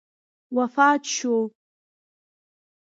وفات شو.